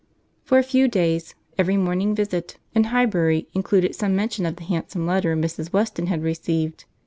For a few days, every morning visit in Highbury included some mention of the handsome letter Mrs. Weston had received.